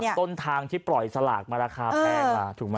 เขาไม่จับต้นทางที่ปล่อยสลากมาราคาแพงล่ะถูกไหม